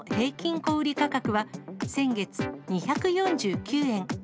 小売り価格は、先月、２４９円。